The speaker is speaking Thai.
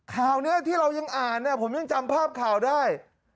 ข่าวนี้ที่เรายังอ่านเนี่ยผมยังจำภาพข่าวได้